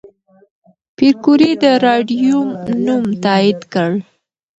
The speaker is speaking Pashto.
پېیر کوري د راډیوم نوم تایید کړ.